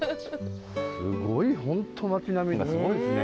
すごい本当町並みがすごいですね。ね。